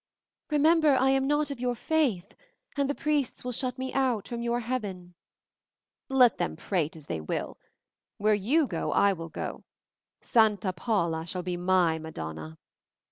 "Remember, I am not of your faith, and the priests will shut me out from your heaven." "Let them prate as they will. Where you go I will go; Santa Paula shall be my madonna!"